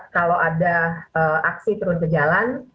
kalau ada aksi turun ke jalan